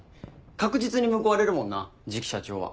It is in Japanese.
確実に報われるもんな次期社長は。